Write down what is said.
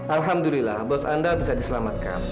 alhamdulillah bos anda bisa diselamatkan